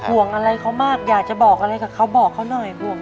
ห่วงอะไรเขามากอยากจะบอกอะไรกับเขาบอกเขาหน่อยห่วง